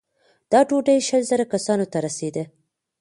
دا ډوډۍ شل زره کسانو ته رسېده.